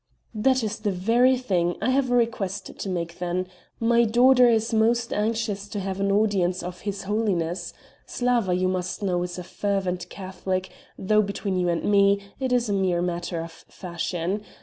"That is the very thing I have a request to make then. My daughter is most anxious to have an audience of His Holiness. Slawa, you must know, is a fervent Catholic, though, between you and me, it is a mere matter of fashion.